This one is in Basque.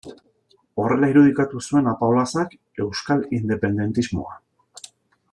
Horrela irudikatu zuen Apaolazak euskal independentismoa.